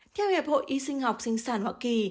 theo hiệp hội y sinh học sinh sản hoa kỳ